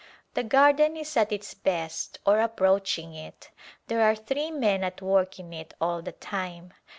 The garden is at its best or approaching it. There are three men at work in it all the time.